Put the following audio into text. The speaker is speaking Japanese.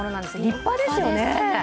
立派ですよね。